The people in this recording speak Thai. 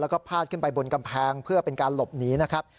แล้วก็พาดขึ้นไปบนกำแพงเพื่อเป็นการหลบหนีนะครับ